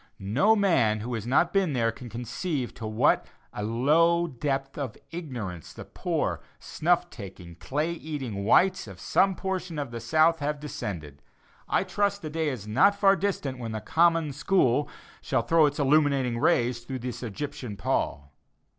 No man who has not been there can conceive to what a low depth of ignorance the poor snuff taking, clay eating whites of some portion of the South have descended. I trust the day is not far distant when the "common school" shall throw its illuminating rays through this Egyptian pall.